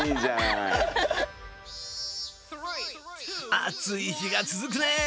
暑い日が続くね！